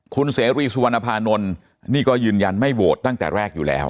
คุณเสรีสุวรรณภานนท์นี่ก็ยืนยันไม่โหวตตั้งแต่แรกอยู่แล้ว